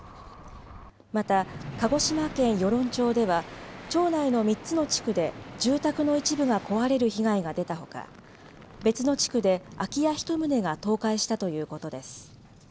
また、鹿児島県与論町では町内の３つの地区で住宅の一部が壊れる被害が出たほか別の地区で空き家１棟が倒壊したということです。